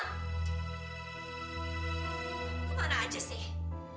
kemana aja sih